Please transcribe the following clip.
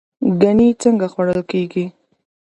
ګنی څنګه خوړل کیږي؟